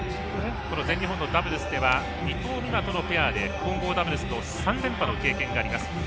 全日本のダブルスでは伊藤美誠とのペアで混合ダブルスの３連覇の経験があります。